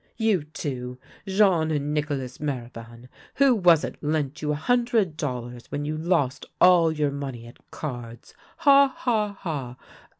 You two, Jean and Nicolas Mariban, who was it lent you a hundred dollars when you lost all your money at cards? Ha, ha, ha!